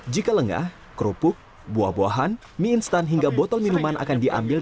jika lengah kerupuk buah buahan mie instan hingga botol minuman akan diambil